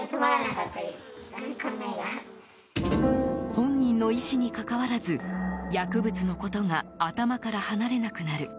本人の意思にかかわらず薬物のことが頭から離れなくなる。